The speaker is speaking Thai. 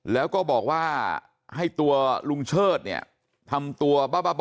แล้วก็บอกว่าให้ตัวลุงเชิดเนี่ยทำตัวบ้าบ่อ